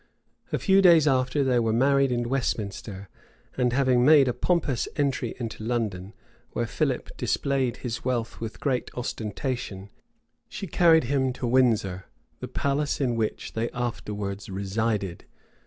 [*] A few days after they were married in Westminster; and having made a pompous entry into London, where Philip displayed his wealth with great ostentation, she carried him to Windsor, the palace in which they afterwards resided.